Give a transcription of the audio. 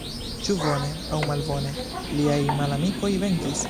Ĉu bone aŭ malbone, liaj malamikoj venkis.